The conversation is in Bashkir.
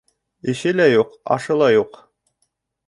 Эше лә юҡ, ашы ла юҡ.